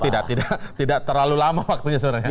tidak tidak terlalu lama waktunya sebenarnya